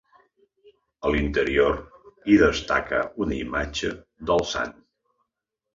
A l'interior, hi destaca una imatge del sant.